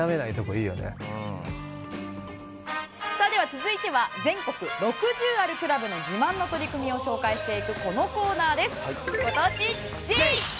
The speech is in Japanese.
さあでは続いては全国６０あるクラブの自慢の取り組みを紹介していくこのコーナーです。